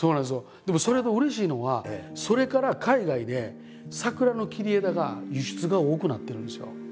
でもそれでうれしいのがそれから海外で桜の切り枝が輸出が多くなってるんですよ。